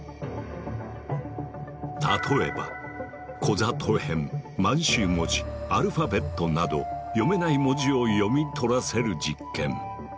例えばこざとへん満洲文字アルファベットなど読めない文字を読み取らせる実験。